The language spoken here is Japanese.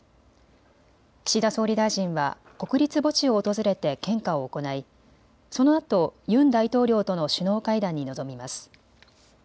岸田総理大臣は国立墓地を訪れて献花を行いそのあと、ユン大統領との首脳会談に臨みます。